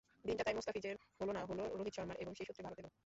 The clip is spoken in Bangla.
দিনটা তাই মুস্তাফিজের হলো না, হলো রোহিত শর্মার এবং সেই সূত্রে ভারতেরও।